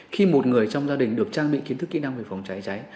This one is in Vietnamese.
khi một người trong gia đình được trang bị kiến thức kỹ năng về phòng cháy cháy